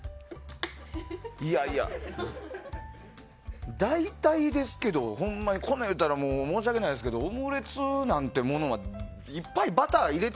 いやいや大体ですけどほんまに、こんなん言ったら申し訳ないですけどオムレツなんてものはいっぱいバター入れ